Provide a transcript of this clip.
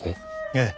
ええ。